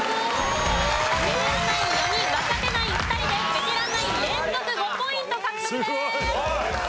ベテランナイン４人若手ナイン２人でベテランナイン連続５ポイント獲得です。